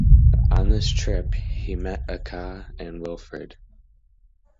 On this trip he met Acca and Wilfrid.